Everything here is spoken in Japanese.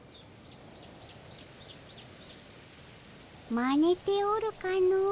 まねておるかの。